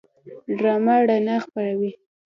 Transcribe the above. ډرامه رڼا خپروي